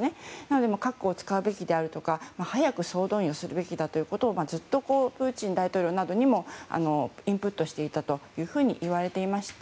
なので核を使うべきであるとか早く総動員するべきだということをずっとプーチン大統領などにもインプットしていたといわれていまして。